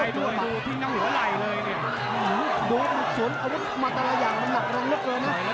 ดูทิ้งทั้งหัวไหล่เลยเนี้ยดูส่วนอาวุธมาตลาดอย่างมันหนักลงลึกเลยน่ะ